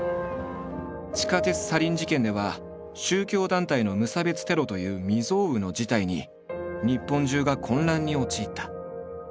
地下鉄サリン事件では宗教団体の無差別テロという未曽有の事態に日本中が混乱に陥った。